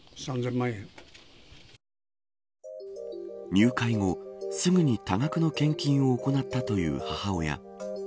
入会後、すぐに多額の献金を行ったという母親。